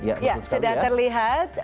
ya sudah terlihat